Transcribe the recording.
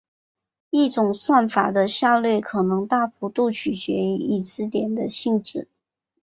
一种算法的效率可能大幅度取决于已知点的性质。